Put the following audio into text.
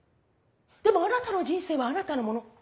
でもあなたの人生はあなたのもの。